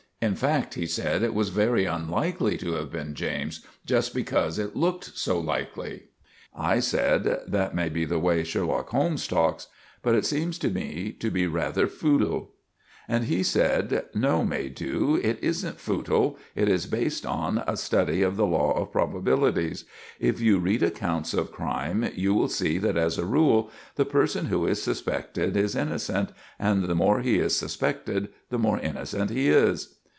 In fact, he said it was very unlikely to have been James, just because it looked so likely. I said, "That may be the way Sherlock Holmes talks; but it seems to me to be rather footle." And he said, "No, Maydew; it isn't footle; it is based on a study of the law of probabilities. If you read accounts of crime, you will see that, as a rule, the person who is suspected is innocent; and the more he is suspected, the more innocent he is."